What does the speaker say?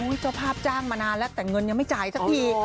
เจ้าภาพจ้างมานานแล้วแต่เงินยังไม่จ่ายสักที